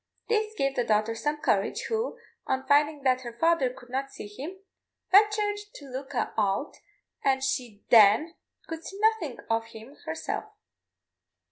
This gave the daughter some courage, who, on finding that her father could not see him, ventured to look out, and she then could see nothing of him herself.